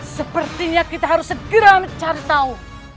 sepertinya kita harus segera mencari tahu